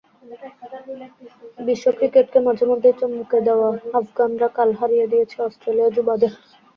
বিশ্ব ক্রিকেটকে মাঝেমধ্যেই চমকে দেওয়া আফগানরা কাল হারিয়ে দিয়েছে অস্ট্রেলীয় যুবাদের।